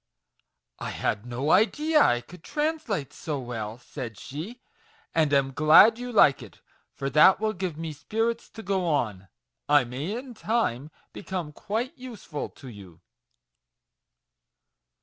" I had no idea I could translate so well," said she, "and am glad you like it, for that will give me spirits to go on : I may, in time, become quite useful to you."